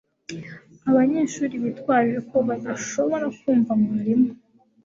abanyeshuri bitwaje ko badashobora kumva mwarimu